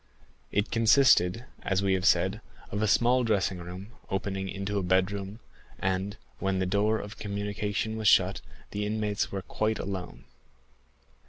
It consisted, as we have said, of a small dressing room, opening into a bedroom, and, when the door of communication was shut, the inmates were quite alone.